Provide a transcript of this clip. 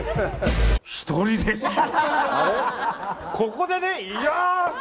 １人ですよ。